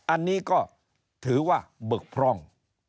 อันนี้ก็ถือว่าบึกพร่อง